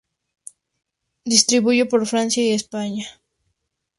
Se distribuye por Francia y España.